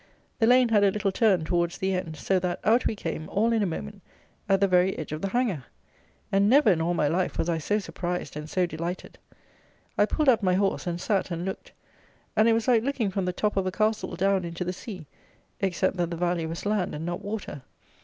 The lane had a little turn towards the end; so that, out we came, all in a moment, at the very edge of the hanger! And never, in all my life, was I so surprised and so delighted! I pulled up my horse, and sat and looked; and it was like looking from the top of a castle down into the sea, except that the valley was land and not water.